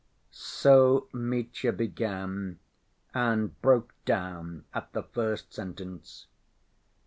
So Mitya began, and broke down at the first sentence.